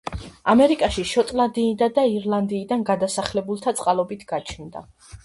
ამერიკაში შოტლანდიიდან და ირლანდიიდან გადასახლებულთა წყალობით გაჩნდა.